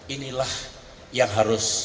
inilah yang harus